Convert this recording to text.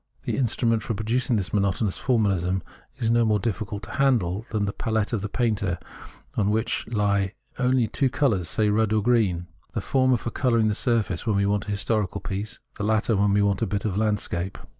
The instrument for producing this monotonous formahsm is no more difficult to handle than the palette of a painter, on which he only two colours, say red and green, the former for colouring the surface when we want a historical piece, the latter when we want a bit of landscape.